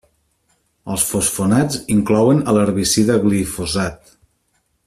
Els fosfonats inclouen a l'herbicida glifosat.